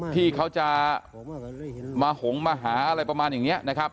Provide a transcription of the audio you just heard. ที่เขาจะมาหงมาหาอะไรประมาณอย่างนี้นะครับ